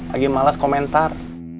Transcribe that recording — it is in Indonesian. lagi males komentar